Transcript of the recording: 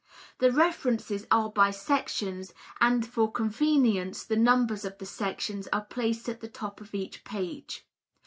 The references are by sections, and for convenience the numbers of the sections are placed at the top of each page.